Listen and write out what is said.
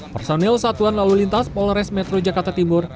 personil satuan lalu lintas polres metro jakarta timur